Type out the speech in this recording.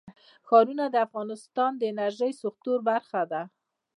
ښارونه د افغانستان د انرژۍ سکتور برخه ده.